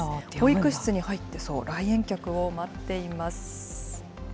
保育室に入って来園客を待っています。